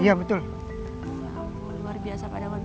iya betul juga bersenang senang